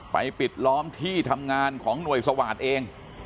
ปิดล้อมที่ทำงานของหน่วยสวาสตร์เอง